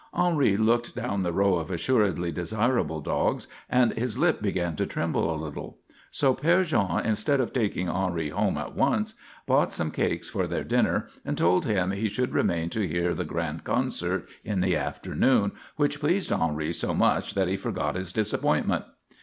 Henri looked down the row of assuredly desirable dogs and his lip began to tremble a little. So Père Jean, instead of taking Henri home at once, bought some cakes for their dinner and told him he should remain to hear the grand concert in the afternoon, which pleased Henri so much that he forgot his disappointment.